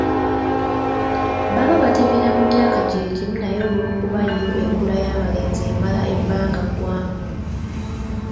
Baba batemera mu myaka gye gimu naye olw'okuba yo enkula y'abalenzi emala ebbanga ggwanvu.